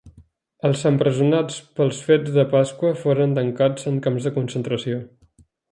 Els empresonats pels fets de Pasqua foren tancats en camps de concentració.